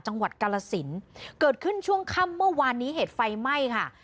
จังหวัดกาลสินเกิดขึ้นช่วงค่ำเมื่อวานนี้เหตุไฟไหม้ค่ะ